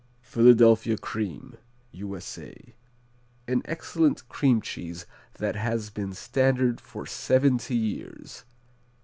Philadelphia Cream U.S.A. An excellent cream cheese that has been standard for seventy years.